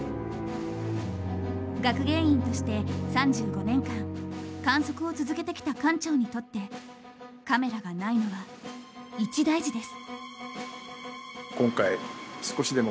学芸員として３５年間観測を続けてきた館長にとってカメラがないのは一大事です。